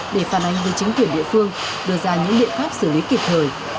để phản ánh với chính quyền địa phương đưa ra những biện pháp xử lý kịp thời